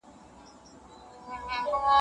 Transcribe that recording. دولتونه د نړیوالو ناستو لپاره تیاری نیسي.